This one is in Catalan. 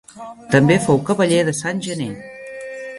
També fou cavaller de Sant Gener.